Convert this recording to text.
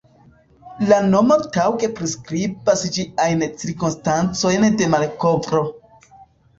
La nomo taŭge priskribas ĝiajn cirkonstancojn de malkovro.